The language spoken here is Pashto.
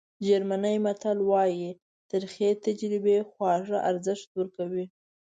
جرمني متل وایي ترخې تجربې خواږه ارزښت ورکوي.